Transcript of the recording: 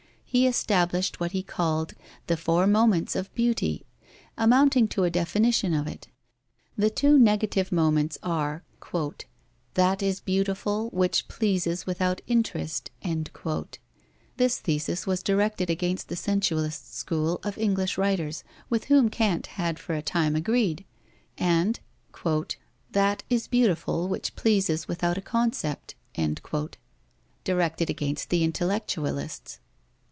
He established what he called "the four moments of Beauty," amounting to a definition of it. The two negative moments are, "That is beautiful which pleases without interest"; this thesis was directed against the sensualist school of English writers, with whom Kant had for a time agreed; and "That is beautiful which pleases without a concept," directed against the intellectualists.